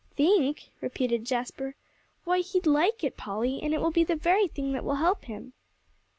"Think?" repeated Jasper, "why, he'd like it, Polly, and it will be the very thing that will help him."